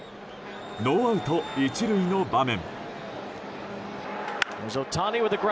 ノーアウト１塁の場面。